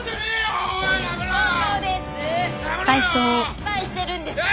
心配してるんです。